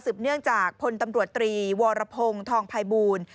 เนื่องจากพลตำรวจตรีวรพงศ์ทองภัยบูล